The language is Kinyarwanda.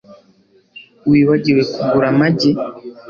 Wibagiwe kugura amagi